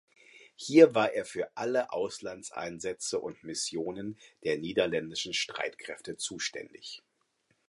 Hier war er für alle Auslandseinsätze und Missionen der niederländischen Streitkräfte zuständig.